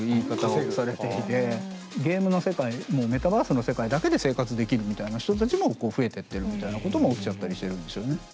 ゲームの世界メタバースの世界だけで生活できるみたいな人たちも増えてってるみたいなことも起きちゃったりしてるんですよね。